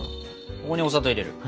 ここにお砂糖入れる。